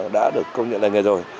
đã được công nhận là nghề rồi